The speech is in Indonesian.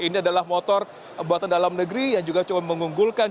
ini adalah motor buatan dalam negeri yang juga coba mengunggulkan